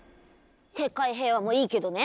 世界平和もいいけどね